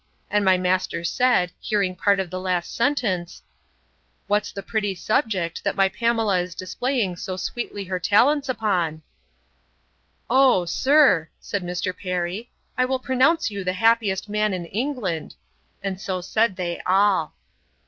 And my master said, hearing part of the last sentence, What's the pretty subject, that my Pamela is displaying so sweetly her talents upon? Oh! sir, said Mr. Perry, I will pronounce you the happiest man in England: and so said they all.